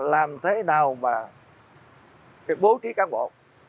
làm thế nào mà bố trí cán bộ